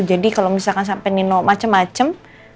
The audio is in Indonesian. jadi kalau misalkan sampai nino macem macem